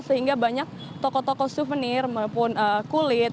sehingga banyak toko toko souvenir maupun kulit